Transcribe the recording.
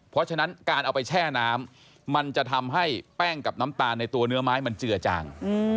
เพราะฉะนั้นการเอาไปแช่น้ำมันจะทำให้แป้งกับน้ำตาลในตัวเนื้อไม้มันเจือจาง